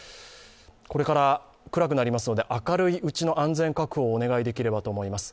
これから暗くなりますので、明るいうちの安全確保をお願いできればと思います。